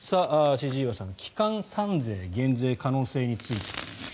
千々岩さん、基幹三税減税の可能性について。